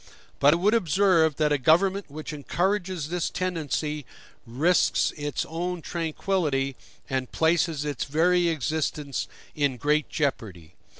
But I would observe, that a government which encourages this tendency risks its own tranquillity, and places its very existence in great jeopardy.